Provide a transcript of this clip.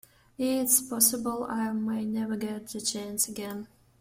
It's possible I'll may never get the chance again.